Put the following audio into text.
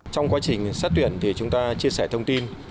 trong quá trình xét tuyển thì chúng ta chia sẻ thông tin